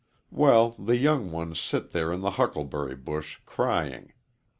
Well, the young ones sit there in a huckleberry bush crying.